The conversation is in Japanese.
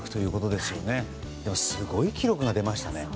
でも、すごい記録が出ましたね。